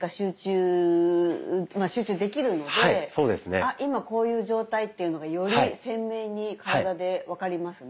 「あ今こういう状態」っていうのがより鮮明に体で分かりますね。